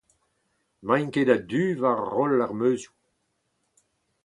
N'emaint ket a-du war roll ar meuzioù.